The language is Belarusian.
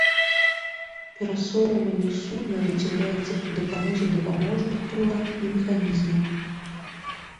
Перасоўванне судна ажыццяўляецца пры дапамозе дапаможных прылад і механізмаў.